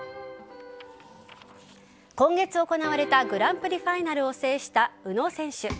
今月行われたグランプリファイナルを制した宇野選手。